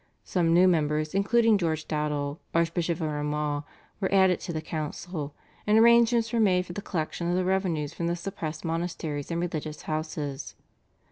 Some new members, including George Dowdall, Archbishop of Armagh, were added to the council, and arrangements were made for the collection of the revenues from the suppressed monasteries and religious houses.